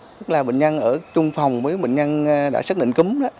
tức là bệnh nhân ở trung phòng với bệnh nhân đã xác định cúm